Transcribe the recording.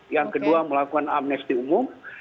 yang kedua melakukan amnesti umum